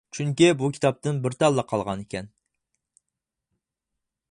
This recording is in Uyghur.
چۈنكى بۇ كىتابتىن بىر تاللا قالغان ئىكەن.